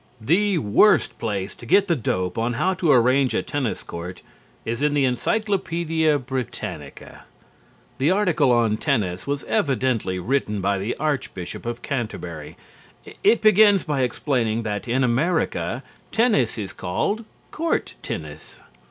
The worst place to get the dope on how to arrange a tennis court is in the Encyclopædia Britannica. The article on TENNIS was evidently written by the Archbishop of Canterbury. It begins by explaining that in America tennis is called "court tennis."